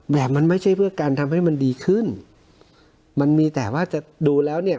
แบบมันไม่ใช่เพื่อการทำให้มันดีขึ้นมันมีแต่ว่าจะดูแล้วเนี่ย